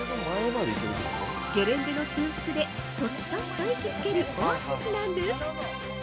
ゲレンデの中腹でホッとひと息つけるオアシスなんです。